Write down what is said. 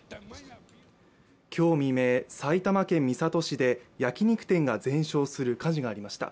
今日未明、埼玉県三郷市で焼き肉店が全焼する火事がありました。